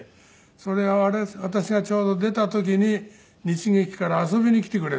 それは私がちょうど出た時に日劇から遊びに来てくれたんですよ。